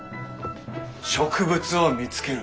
植物を見つける。